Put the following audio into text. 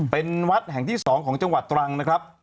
เป็นวัดแห่งที่๒ของจังหวัดตรังนะครับ